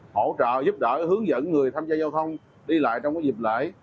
hỗ trợ giúp đỡ hướng dẫn người tham gia giao thông đi lại trong dịp lễ